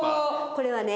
これはね